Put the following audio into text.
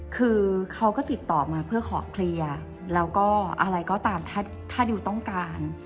คือเขาก็ติดต่อมาเพื่อขอเคลียร์แล้วก็อะไรก็ตามถ้าดิวต้องการ